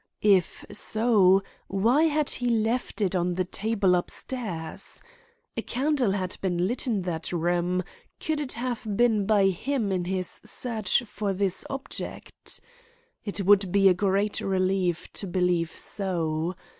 If so, why had he left it on the table upstairs? A candle had been lit in that room—could it have been by him in his search for this object? It would be a great relief to believe so.